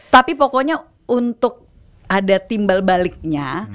tapi pokoknya untuk ada timbal baliknya